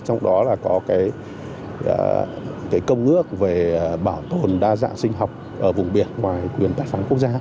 trong đó là có cái công ước về bảo tồn đa dạng sinh học ở vùng biển ngoài quyền tác phóng quốc gia